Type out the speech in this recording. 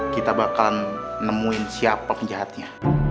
kita bakal nemuin siapa penjahatnya